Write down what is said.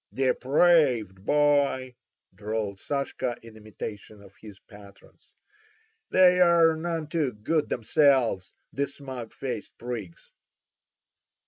Depraved boy," drawled Sashka in imitation of his patrons. "They are none too good themselves, the smug faced prigs!"